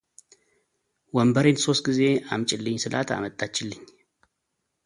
ወንበሬን ሶስት ጊዜ አምጭልኝ ስላት አመጣችልኝ፡፡